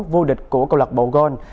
vô địch của cộng lạc bộ gon